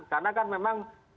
karena kan memang